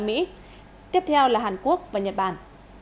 tiếp theo là hàn quốc và nhật bản